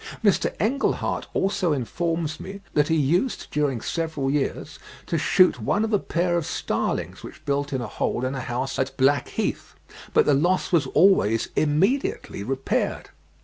Mr. Engleheart also informs me that he used during several years to shoot one of a pair of starlings which built in a hole in a house at Blackheath; but the loss was always immediately repaired.